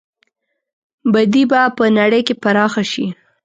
بدي به په نړۍ کې پراخه شي.